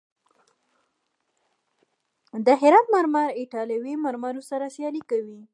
د هرات مرمر ایټالوي مرمرو سره سیالي کوي.